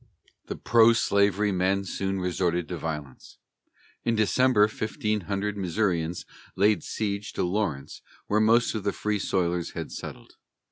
The pro slavery men soon resorted to violence. In December fifteen hundred Missourians laid siege to Lawrence, where most of the Free Soilers had settled.